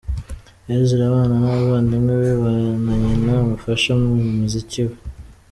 Ezra abana n’abavandimwe be na nyina umufasha mu muziki we.